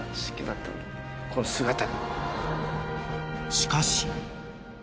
［しかし］